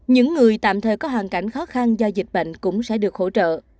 những người tạm thời có hoàn cảnh khó khăn do dịch bệnh cũng sẽ được hỗ trợ